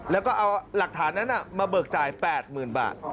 แล้วก็เอาหลักฐานนั้นมาเบิกจ่าย๘๐๐๐บาท